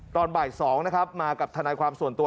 ตอนบ่าย๒นะครับมากับทนายความส่วนตัว